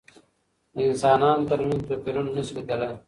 د انسانانو تر منځ توپيرونه نشي لیدلای.